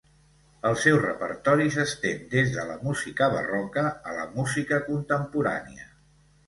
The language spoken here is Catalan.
El seu repertori s'estén des de la música barroca a la música contemporània.